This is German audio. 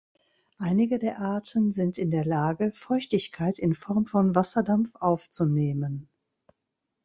Einige der Arten sind in der Lage, Feuchtigkeit in Form von Wasserdampf aufzunehmen.